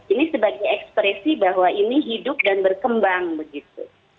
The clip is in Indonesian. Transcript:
jadi ini sebagai ekspresi bahwa ini hidup dan berkembang